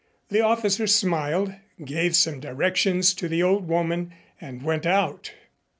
The officer smiled, gave some directions to the old woman and went out.